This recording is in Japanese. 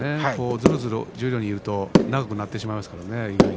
ずるずる十両にいると長くなってしまいますから。